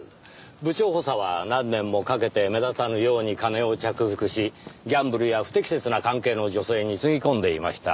部長補佐は何年もかけて目立たぬように金を着服しギャンブルや不適切な関係の女性につぎ込んでいました。